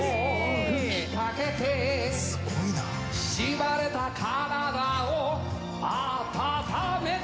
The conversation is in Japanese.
「しばれた体をあたためて」